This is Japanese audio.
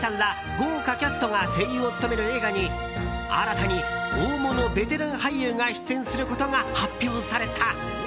豪華キャストが声優を務める映画に新たに大物ベテラン俳優が出演することが発表された。